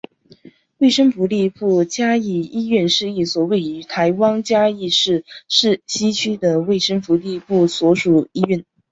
卫生福利部嘉义医院是一所位于台湾嘉义市西区的卫生福利部所属医院。